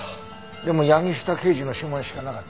でも八木下刑事の指紋しかなかった。